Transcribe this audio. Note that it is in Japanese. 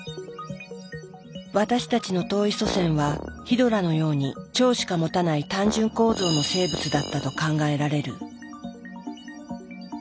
私たちの遠い祖先はヒドラのように腸しか持たない単純構造の生物だったと考えられる。